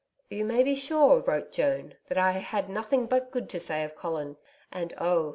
'You may be sure,' wrote Joan, 'that I had nothing but good to say of Colin, and oh!